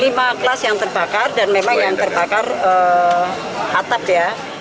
lima kelas yang terbakar dan memang yang terbakar atap ya